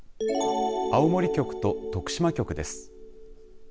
青森局と徳島局です。